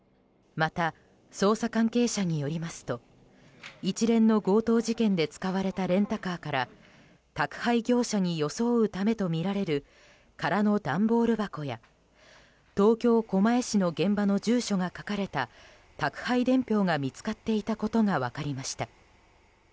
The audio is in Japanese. また捜査関係者によりますと一連の強盗事件で使われたレンタカーから宅配業者に装うためとみられる空の段ボール箱や東京・狛江市の現場の住所が書かれた宅配伝票が見つかっていたことが分かりました。